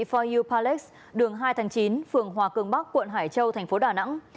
for you palace đường hai tháng chín phường hòa cường bắc quận hải châu thành phố đà nẵng